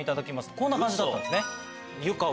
こんな感じだったんですね。